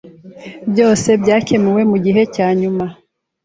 Byose byakemuwe mugihe cyanyuma.